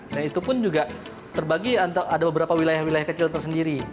nah itu pun juga terbagi ada beberapa wilayah wilayah kecil tersendiri